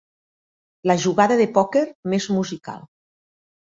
La jugada de pòquer més musical.